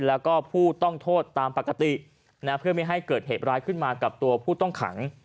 แล้วก็ผู้ต้องโทษตามปกติเพื่อไม่ให้เกิดเหตุร้ายขึ้นมากับตัวผู้ต้องขัง